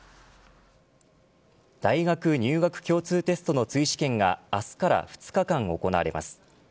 大学入学共通テストの追試験が明日から２日間行われます。